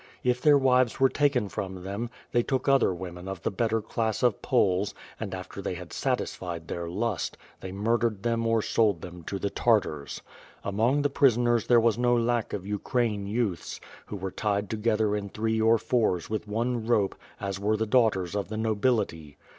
If their wives were taken from them, they took other women of the better class of Poles, and after they had satisfied their lust, they mur dered them or sold them to the Tartars. Among the prison er* there was no lack of Ukraine youths, who were tied to gether in threes or fours with one rope, as were the daughters of the nobility.